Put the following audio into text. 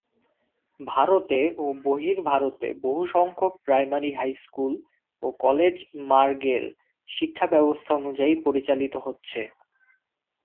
ভারতে ও বহির্ভারতে বহুসংখ্যক প্রাইমারি, হাইস্কুল ও কলেজ মার্গের শিক্ষাব্যবস্থা অনুযায়ী পরিচালিত হচ্ছে।